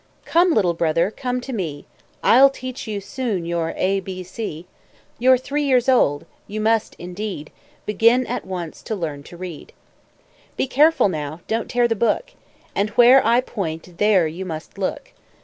Come, little brother, come to me; I'll teach you soon your A, B, C. You're three years old; you must, indeed, Begin at once to learn to read. Be careful now, don't tear the book, And where I point there you must look.